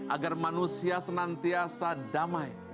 agar manusia senantiasa damai